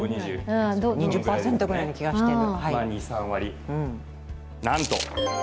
２０％ぐらいの気がしてる。